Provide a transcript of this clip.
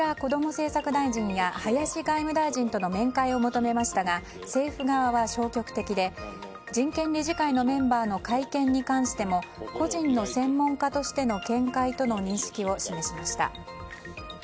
政策大臣や林外務大臣との面会を求めましたが政府側は消極的で人権理事会のメンバーの会見に関しても個人の専門家としての見解を示しました。